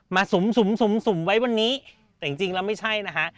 มาสุ่มสุ่มสุ่มสุ่มไว้วันนี้แต่จริงจริงแล้วไม่ใช่นะฮะ